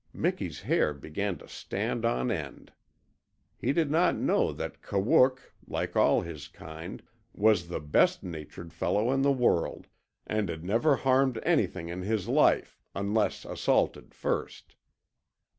Miki's hair began to stand on end. He did not know that Kawook, like all his kind, was the best natured fellow in the world, and had never harmed anything in his life unless assaulted first.